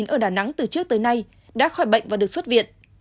ở đà nẵng từ trước tới nay đã khỏi bệnh và được xuất viện